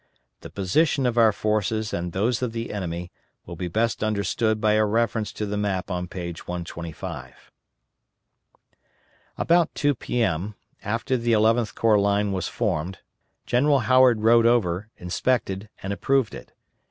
The position of our forces and those of the enemy, will be best understood by a reference to the map on page 125. About 2 P.M., after the Eleventh Corps line was formed, General Howard rode over, inspected, and approved it.